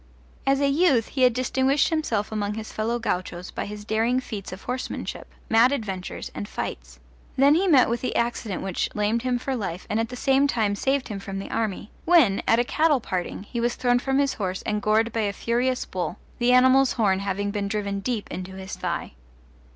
As a youth he had distinguished himself among his fellow gauchos by his daring feats of horsemanship, mad adventures, and fights; then he met with the accident which lamed him for life and at the same time saved him from the army; when, at a cattle parting, he was thrown from his horse and gored by a furious bull, the animal's horn having been driven deep into his thigh.